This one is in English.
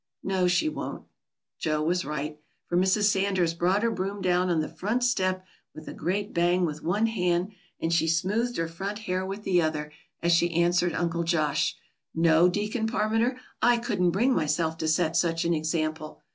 "No, she won't." Joe was right, for Mrs. Sanders brought her broom down on the front step with a great bang with one hand, and she smoothed her front hair with the other, as she answered Uncle Josh: "No, Deacon Parmenter, I couldn't bring myself to set such an example.